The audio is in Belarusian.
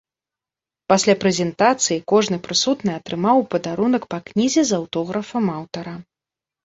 Пасля прэзентацыі кожны прысутны атрымаў у падарунак па кнізе з аўтографам аўтара.